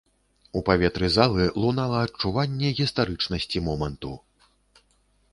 У паветры залы лунала адчуванне гістарычнасці моманту.